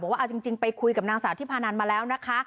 ว่าเอาจริงไปคุยกับนางสาวที่พานันมาแล้วนะคะ